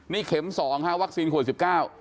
นี่เข็มสองฮะวัคซีนขวดสิบเก้า